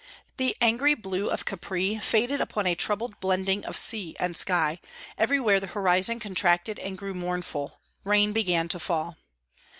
The angry blue of Capri faded upon a troubled blending of sea and sky; everywhere the horizon contracted and grew mournful; rain began to fall.